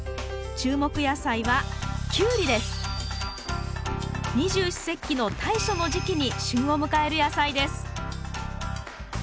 注目野菜は二十四節気の大暑の時期に旬を迎える野菜です。